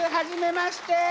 初めまして。